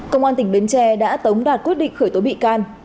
công an tỉnh bến tre đã tống đạt quyết định khởi tố bị can